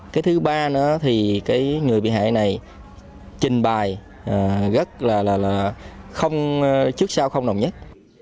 cái thứ ba nữa thì cái người bị hại này trình bài rất là là là không trước sau không nồng nhất